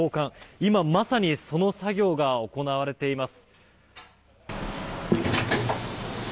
今まさにその作業が行われています。